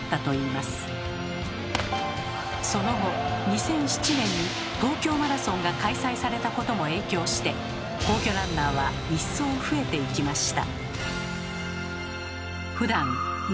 その後２００７年に「東京マラソン」が開催されたことも影響して皇居ランナーは一層増えていきました。